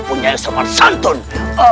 bahwa aku benar benar diterima